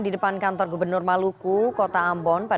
di depan kantor gubernur maluku kota ambon